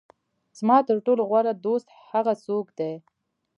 زما تر ټولو غوره دوست هغه څوک دی.